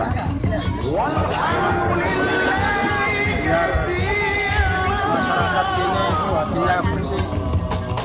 wah ini serangkat sini wah ini apa sih